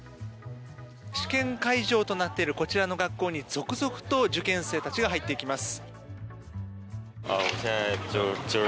試験会場となっているこちらの学校に続々と受験生たちが入っていきます。